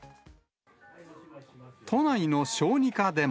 都内の小児科でも。